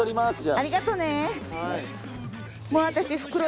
ありがとね！